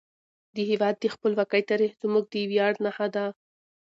د هیواد د خپلواکۍ تاریخ زموږ د ویاړ نښه ده.